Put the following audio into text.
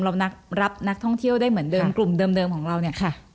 รับนักท่องเที่ยวได้เหมือนเดิมกลุ่มเดิมของเราเนี่ยค่ะ